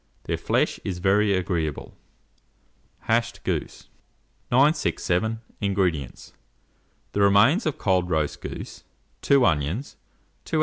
Their flesh is very agreeable. HASHED GOOSE. 967. INGREDIENTS. The remains of cold roast goose, 2 onions, 2 oz.